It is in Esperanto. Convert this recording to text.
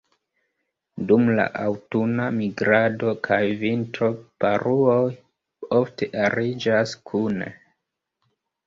Dum la aŭtuna migrado kaj vintro, paruoj ofte ariĝas kune.